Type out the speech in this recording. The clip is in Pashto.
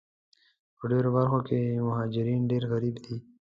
په ډېرو برخو کې مهاجرین ډېر غریب دي